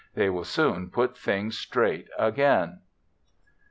They will soon put things straight again.